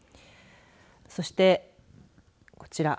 そして、こちら。